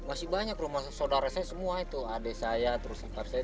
masih banyak rumah saudara saya semua itu adik saya terus akar saya